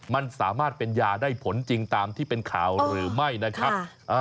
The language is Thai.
มันสามารถเป็นยาได้ผลจริงตามที่เป็นข่าวหรือไม่นะครับ